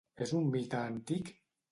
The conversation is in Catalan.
És un mite antic?